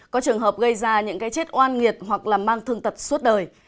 có trường hợp gây ra những cái chết oan nghiệt hoặc là mang thương tật suốt đời